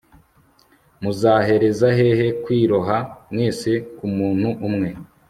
muzahereza hehe kwiroha mwese ku muntu umwe